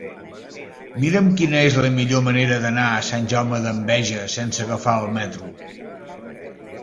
Mira'm quina és la millor manera d'anar a Sant Jaume d'Enveja sense agafar el metro.